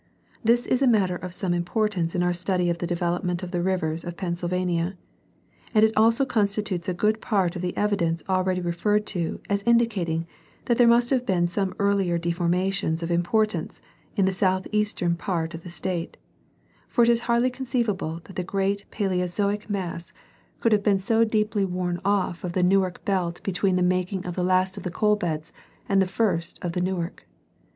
This is a matter of some importance in our study of the development of the rivers of Pennsylvania ; and it also constitutes a good part of the evidence already referi*ed to as indicating that there must have been some earlier deformations of importance in the southeastern part of the State ; for it is hardly conceivable that the great Paleozoic The Rivers and Valleys of Pennsylvania. 195 mass could have been so deeply worn off of the Newark belt between the making of the last of the coal beds and the first of the Newark.